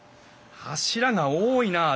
柱が多いなあ